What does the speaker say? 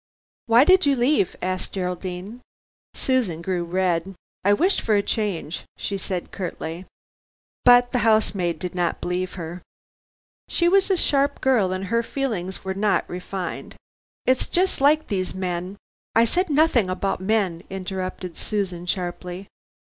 "Why did you leave?" asked Geraldine. Susan grew red. "I wished for a change," she said curtly. But the housemaid did not believe her. She was a sharp girl and her feelings were not refined. "It's just like these men " "I said nothing about men," interrupted Susan, sharply.